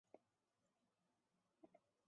后来以功封偕王。